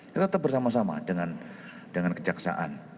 kita tetap bersama sama dengan kejaksaan